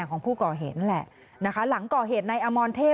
มีคนร้องบอกให้ช่วยด้วยก็เห็นภาพเมื่อสักครู่นี้เราจะได้ยินเสียงเข้ามาเลย